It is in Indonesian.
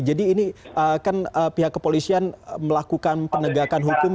jadi ini kan pihak kepolisian melakukan penegakan hukum